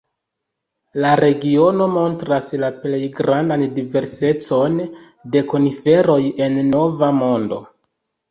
La regiono montras la plej grandan diversecon de koniferoj en la Nova Mondo.